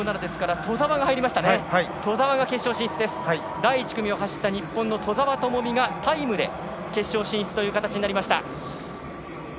第１組を走った日本の兎澤朋美がタイムで決勝進出となりました。